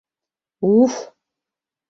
— У-уф!